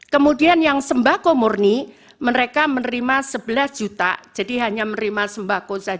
kemudian yang sembako murni mereka menerima sebelas juta jadi hanya menerima sembako